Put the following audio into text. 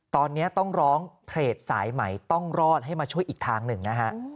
ตอนนี้ต้องร้องเพจสายใหม่ต้องรอดให้มาช่วยอีกทางหนึ่งนะฮะ